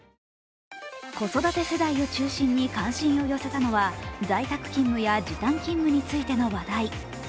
子育て世代を中心に関心を寄せたのは在宅勤務や時短勤務についての話題。